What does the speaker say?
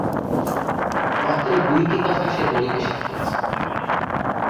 মাত্র দুইটি কথা সে বলিতে শিখিয়াছে!